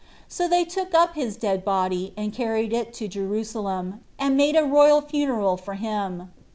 So they took up his dead body, and carried it to Jerusalem, and made a royal funeral for him.